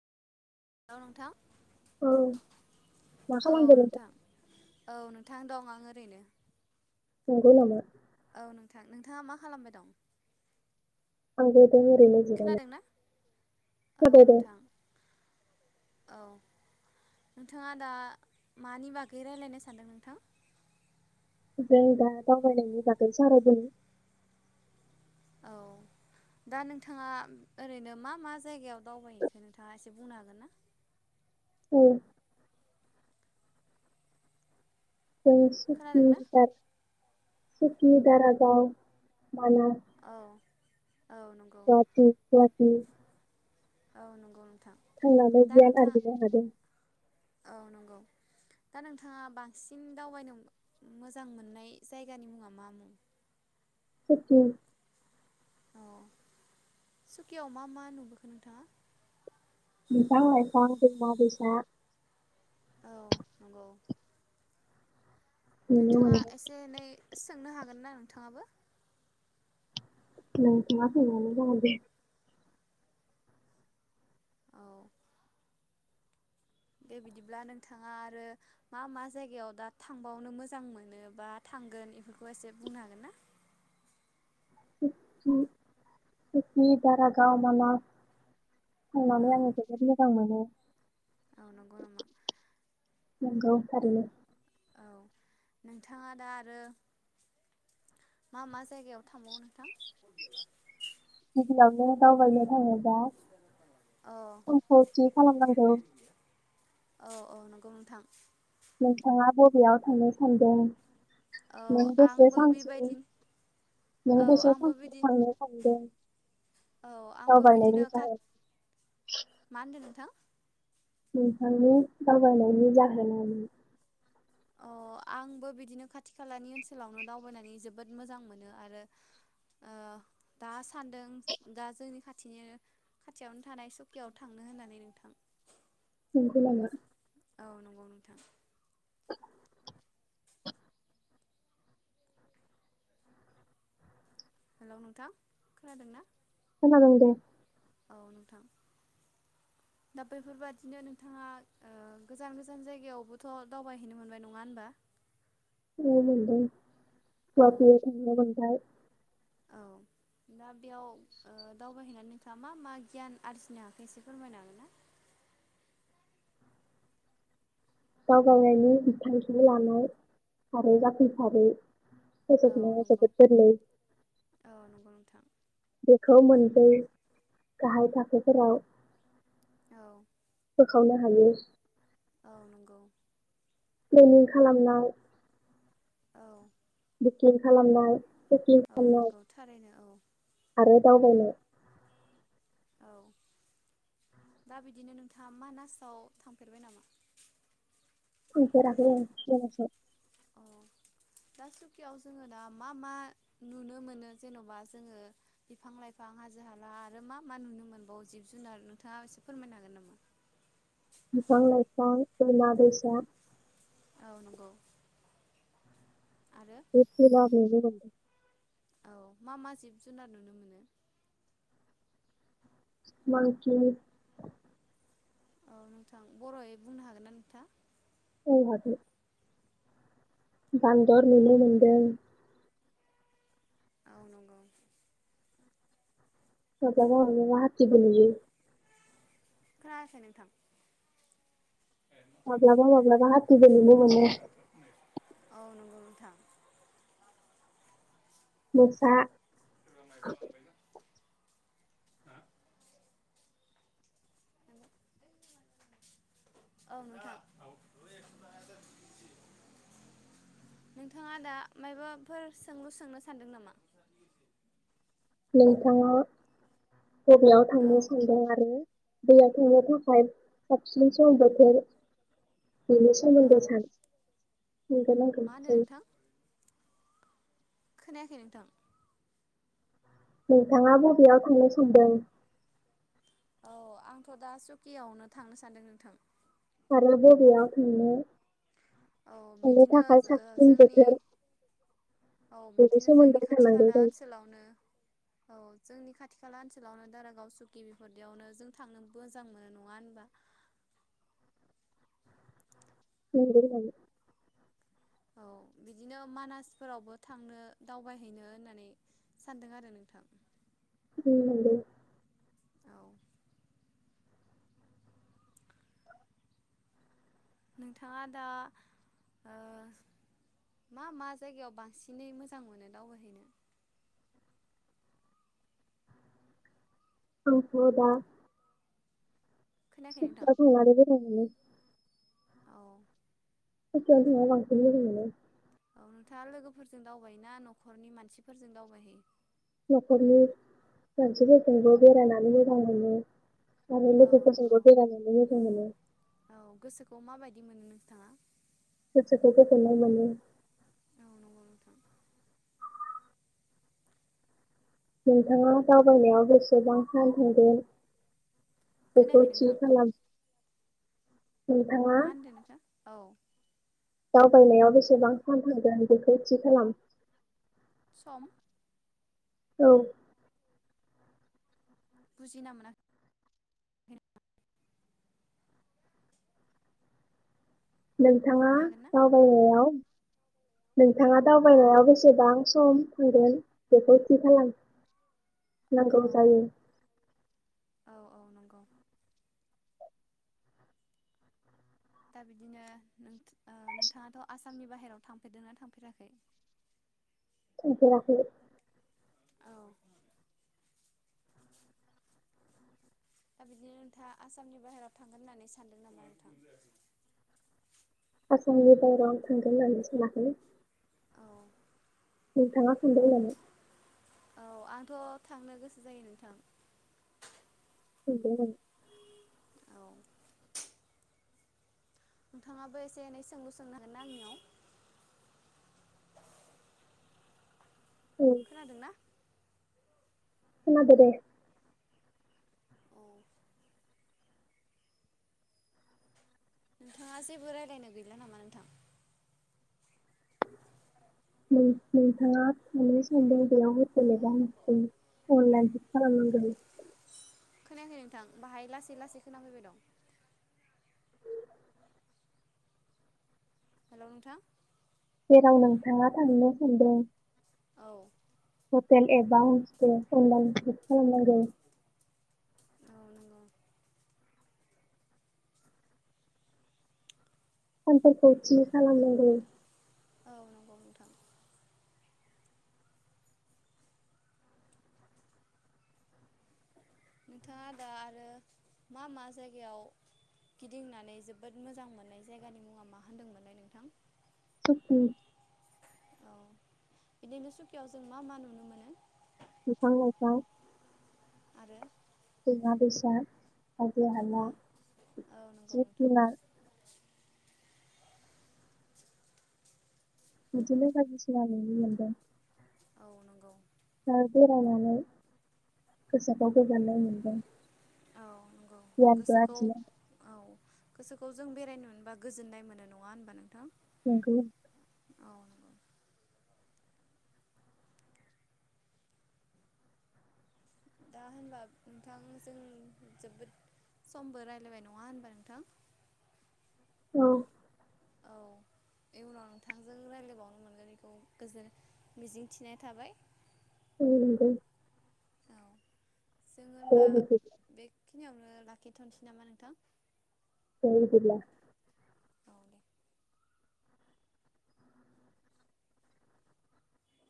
Hello नोंथां औ मा औ खालामदों? नोंथां औ नोंथां दं आं ओरैनो नोंगो नामा? औ नोंथां, नोंथाङा मा खालामबाय दं? आं दों ओरैनो जिरायना खोनादों ना औ [unintelligible] नोंथां औ नोंथाङा दा मानि बागै रायलायनो सानदों नोंथां? जों दा दावबायनायनि बागै सावरायदों। औ दा नोंथाङा ओरैनो मा मा जायगायाव दावबायहैखो नोंथाङा एसे बुंनो हागोन ना? औ जों सुकि, खोनादों ना दार सुकि, दारागाव, मानास औ नंगौ गुहाटि गुहाटि औ नंगौ। नोंथां दा नोंथाङा [inaudible] औ नोंगौ दा नोंथाङा बांसिन दावबायनो मोजां मोननाय जायगानि मुङा मा मुं? सुकि अ सुकियाव मा मा नुबोखो नोंथाङा? बिफां-लायफां, दैमा-दैसा औ नंगौ। नुनो नोंथाङा मोनदों एसे एनै सोंनो हागोन ना नोंथाङाबो? नोंथाङा सोंनायानो जागोन दे। औ दे बिदिब्ला नोंथाङा आरो मा मा जायगायाव दा थांबावनो मोजां मोनो बा थांगोन बेफोरखौ एसे बुंनो हागोन ना? [unintelligible] दारागाव, माला औ थांनानै आङो जोबोद मोजां मोनो। औ नंगौ नामा नंगौ थारैनो औ नोंथाङा दा आरो मा मा जायगायाव थांबावो नोंथां? [unintelligible] दावबायनो थाङो। दा औ उनखौ थि खालामनांगौ औ औ नंगौ नोंथां। नोंथाङा बबेयाव थांनो सानदों? औ नों बेसे [unintelligible] आंबो बेबायदि नों औ बेसे [unintelligible] आंबो बिदिनो सानदों औ आंबो बिदिनो दावबायनायनि काट मा होनदों नोंथां [unintelligible] नोंथांनि दावबायनायनि जाहोन [unintelligible] अ आंबो बिदिनो खाथि खालानि ओनसोलावनो दावबायनानै जोबोद मोजां मोनो आरो ओ दा सान्दों दा जोंनि खाथिनि खाथियावनो थानाय सुकियाव थांनो होननानै नोंथां। नंगौ नामा? औ नंगौ नोंथां। हेलौ नोंथां खोनादोंना? खोनादों दे। औ नोंथां दा बेफोरबादिनो नोंथाङा ओ गोजान गोजान जायगायावबोथ' दावबायहैनो मोनबाय नङा होनबा? औ मोनदों। औ [unintelligible] औ दा बेयाव ओ दावबायहैनानै नोंथाङा मा मा गियान आरजिनो हाखो एसे फोरमायनो हागोन ना? [unintelligible] लानाय आरो जाफुंसारै औ फोजोबनाया नंगौ जोबोद गोरलै औ नंगौ नोंथां बेखौ मोनसै गाहाय थाखोफोराव औ [unintelligible] हायो औ नंगौ। प्लेनिं खालामनाय औ थि खालामनाय पेकिं औ नोंगौ थारैनो औ दावबायनो औ दा बिदिनो नोंथाङा मानासाव थांफेरबाय नामा? थांपेराखै नोंथां अ दा सुखियाव जोङो दा मा मा नुनो मोनो जेनबा जोंङो बिफां लाइफां हाजो हाला आरो मा मा नुनो मोनबावो जिब जुनार नोंथाङा एसे फोरमायनो हागोन नामा बिफां लाइफां दैमा दैसा औ नंगौ आरो बेसे ला बुं औ मा मा जिब जुनार नुनो मोनो मांखि औ नोंथां बरहै बुंनो हागोनना नोंथा औ बान्दर नुनो मोनदों औ नंगौ [unintelligible] खोनायाखै नोंथां औ माब्लाबा माब्लाबा हाथिबो नुनो मोनो औ नंगौ नोंथां मोसा [inaudible] औ [inaudible] [unintelligible] औ नोंथां नोंथाङा दा माबाफोर सोंलु सोंनो सानदों नामा नोंथाङा बबेयाव औ थांनो सानदों आरो दै आव थांनो थाखाय साबसिन सम बोथोर बेनि औ सोमोन्दै सान नंगोन नांगोन मा होनो जायो नोंथां? खोनायाखै नोंथां नोंथांङा बबेयाव थांनो सानदों औ आंथ‌दा सुकियावनो थांनो सान्दों नोंथां आरो बबेयाव थांनो औ थांनो बिदिनो थाखाय साबसिन जोंनि बोथोर औ बेनि बिदिनो जोंनि सोमोन्दै खाथि थानांगौ खाला जायो ओनसोलावनो औ जोंनि खाथि खाला ओनसोलावनो दारागाव सुकि बिफोरदियावनो जों थांनो मोजां मोनो नंङा होनबा [unintelligible] औ बिदिनो मानासफोरावबो थांनो दावबायहैनो होननानै सानदों आरो नोंथां औ नंगौ औ नोंथांङा दा ओ मा मा जायगायाव बांसिनै मोजां मोनो दावबायहैनो [unintelligible] आंथ दा खोनायाखै नोंथां [unintelligible] औ चौकिआव थांनो बांसिन मोजां मोनो नोंथांङा लोगोफोरजों दावबाय ना न'खरनि मानसिफोरजों दावबायहैयो नखरनि मानसिफोरजोंबो बेरायनानै मोजां मोनो आरो औ नंगौ लोगोफोरजोंबो बेरायनानै मोजां मोनो खौ माबायदि मोनो नोंथाङा गोसोखौ गोजोननाय मोनो। औ नंगौ नोंथां नोंथाङा दावबायनायाव बेसेबां [unintelligible] बेखौ खोनायाखै थि नोंथां खालाम। नोंथाङा मा होनदों नोंथां? औ। दावबायनायाव बेसेबां फान थांगोन बेखौ थि खालाम। सम? औ। बुजिना मोना नोंथाङा बुंनो हागोन ना दावबायनायाव नोंथाङा दावबायनायाव बेसेबां सम थांगोन बेखौ थि खालाम। औ नांगौ जायो। औ औ नंगौ। दा बिदिनो नों ओ नोंथाङाथ' आसामनि बाहेराव थांफेरदोंना थांफेराखै? थांफेराखै। औ दा बिदिनो नोंथाङा आसामनि बाहेरायाव थांगोन होननानै सानदों नामा नोंथां? आसामनि बाहेराव आं थांगोन होननानै सानाखैलै। औ नोंथाङा सानदों नामा? औ आंथ' थांनो गोसो जायो नोंथां। [unintelligible] औ। नोंथाङाबो एसे एनै सोंलु सोंनो होगोनना आंनियाव? औ खोनादोंना? खोनादो दे। अ। नोंथाङा जेबो रायलायनो गैला नामा नोंथां? नों नोंथाङा थांनो सानदों बेयाव [unintelligible] आनलाइन बुक खालामनांगोन। खोनायाखै नोंथां बाहाय लासै लासै खोनाफैबाय दं। हेल' नोंथां। जेराव नोंथाङा थांनो सानदों औ हटेल एबा हस्टेल अनलाइन बुक खालामनांगोन। औ नंगौ सानफोरखौ थि खालामनांगोन। औ नंगौ नोंथां। नोंथाङा दा आरो मा मा जायगायाव गिदिंनानै जोबोद मोजां मोननाय जायगानि मुङा मा होनदोंमोनलाय नोंथां? सुकि। औ बिदिनो सुकियाव जों मा मा नुनो मोनो? बिफां लाइफां। आरो? दैमा दैसा हाजो हाला, ओ औ नंगौ जिब नोंथां जुनार बिदिनो बायदिसिना नुनो मोनदों। औ नंगौ। दा बेरायनानै गोसोखौ गोजोननाय मोनदों। औ नंगौ गियानबो गोसोखौ आरजिनो औ। गोसोखौ जों बेरायनो मोनबा गोजोननाय मोनो नङा होनबा नोंथां? नंगौ। औ नंगौ दा होनबा नोंथां जों जोबोद समबो रायलायबाय नङा होनबा नोंथां? औ औ इयुनाव नोंथांजों रायलायबावनो मोनगोन बेखौ गोजोन मिजिंथिनाय थाबाय। उम नंगौ। औ जों दे होनबा बिदिब्ला बे खिनियावनो लाखिथ'नोसै नामा नोंथां? दे बिदिब्ला औ दे